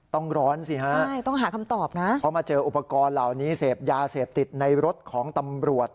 ต้องร้อนสิฮะเพราะมาเจออุปกรณ์เหล่านี้เสพยาเสพติดในรถของตำรวจ